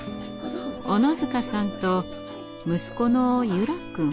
小野塚さんと息子の柚楽くん。